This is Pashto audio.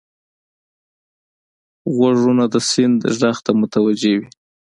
غوږونه د سیند غږ ته متوجه وي